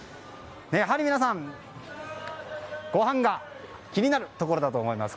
やはり皆さん、ごはんが気になるところだと思います。